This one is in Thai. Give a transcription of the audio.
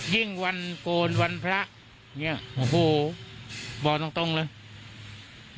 ยิ่งวันโกนวันพระพ่อบอกตรงแล้ว